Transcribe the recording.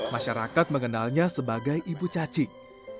masyarakat mengenalnya sebagai ibu cacik